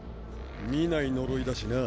見ない呪いだしな。